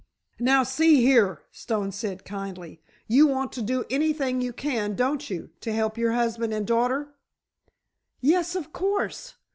"Now, see here," Stone said, kindly; "you want to do anything you can, don't you, to help your husband and daughter?" "Yes, of course!"